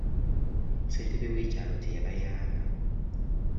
Ssentebe w'ekyalo teyabayamba.